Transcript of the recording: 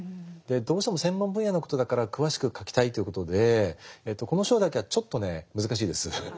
どうしても専門分野のことだから詳しく書きたいということでこの章だけはちょっとね難しいです。